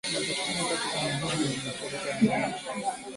unapatikana sana katika maeneo yenye mafuriko ya maji